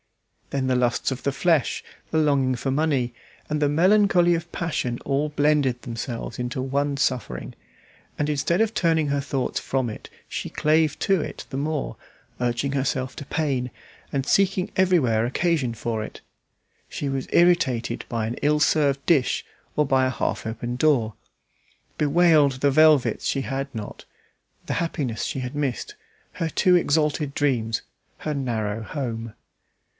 Then the lusts of the flesh, the longing for money, and the melancholy of passion all blended themselves into one suffering, and instead of turning her thoughts from it, she clave to it the more, urging herself to pain, and seeking everywhere occasion for it. She was irritated by an ill served dish or by a half open door; bewailed the velvets she had not, the happiness she had missed, her too exalted dreams, her narrow home.